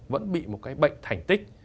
vẫn bị một cái bệnh thành tích